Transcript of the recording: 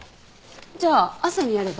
じゃあ朝にやれば？